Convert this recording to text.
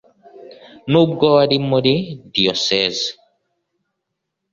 n’ubwo wari muri diyosezi